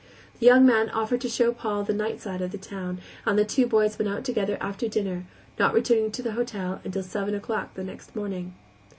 The young man offered to show Paul the night side of the town, and the two boys went out together after dinner, not returning to the hotel until seven o'clock the next morning.